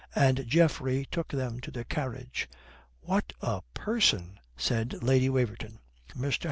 And Geoffrey took them to their carriage. "What a person!" said Lady Waverton. Mr.